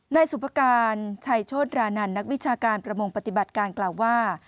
นายสุภาการชัยโชธรานันต์นักวิชาการประมงปฏิบัติการกล่าวว่า